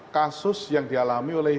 kasus yang dialami oleh